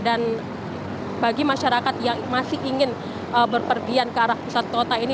dan bagi masyarakat yang masih ingin berpergian ke arah pusat kota ini